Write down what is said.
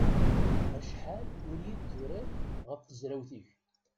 Acḥal ur iyi-d-turiḍ ɣef tezrawt-ik?